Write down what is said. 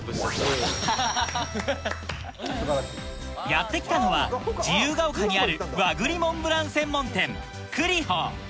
やって来たのはにある和栗モンブラン専門店栗歩